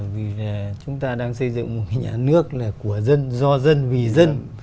vì chúng ta đang xây dựng một nhà nước là của dân do dân vì dân